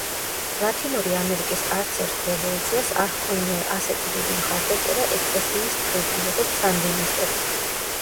ლათინური ამერიკის არც ერთ რევოლუციას არ ჰქონია ასეთი დიდი მხარდაჭერა ეკლესიიის მხრიდან, როგორც სანდინისტებს.